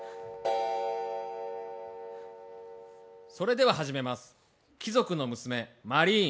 ・それでは始めます貴族の娘マリーン